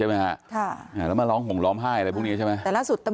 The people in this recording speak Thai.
มันมาร้องห่มหลอมไห้อะไรพวกนี้ใช่ไหม